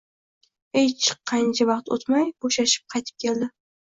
hech qancha vaqt o‘tmay bo‘shashib qaytib keldi